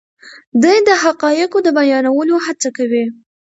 دی د حقایقو د بیانولو هڅه کوي.